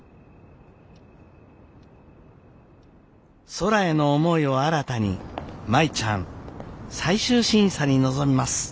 空への思いを新たに舞ちゃん最終審査に臨みます。